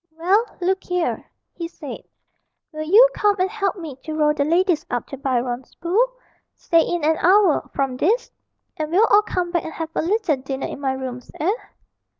'Well, look here,' he said, 'will you come and help me to row the ladies up to Byron's Pool say in an hour from this and we'll all come back and have a little dinner in my rooms, eh?'